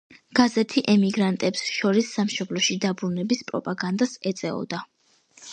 გაზეთი ემიგრანტებს შორის სამშობლოში დაბრუნების პროპაგანდას ეწეოდა.